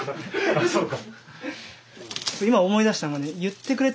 あっそうか。